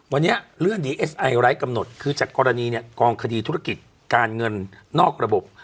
วันนี้เลื่อนดีเอสไอไร้กำหนดคือจากกรณีเนี่ยกองคดีธุรกิจการเงินนอกระบบ